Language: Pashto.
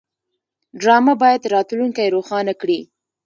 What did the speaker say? ډرامه باید راتلونکی روښانه کړي